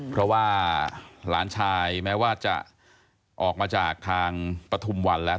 เพราะว่าหลานชายแม้ว่าจะออกมาจากทางปฐุมวันแล้ว